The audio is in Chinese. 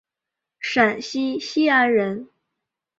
陕西西安人。